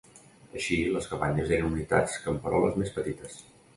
Així, les cabanyes eren unitats camperoles més petites.